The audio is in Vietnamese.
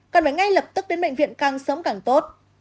cần phải ngay lập tức đến bệnh viện càng sớm càng tốt